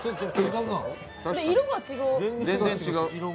色が違う。